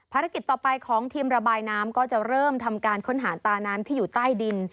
ภารกิจต่อไปของทีมระบายน้ำก็จะเริ่มทำการค้นหาตาน้ำที่อยู่ใต้ดิน